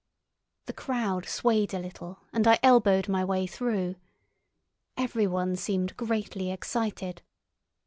The crowd swayed a little, and I elbowed my way through. Every one seemed greatly excited.